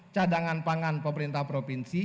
cadangan pangan pemerintah provinsi